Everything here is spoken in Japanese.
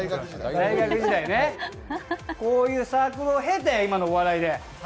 こういうサークルを経て、今のお笑いへ。